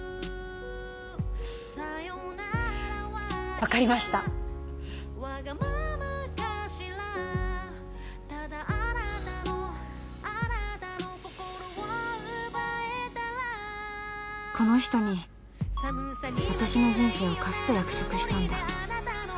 分かりましたこの人に私の人生を貸すと約束したんだ